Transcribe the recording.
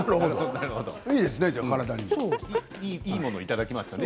いいものいただきましたね。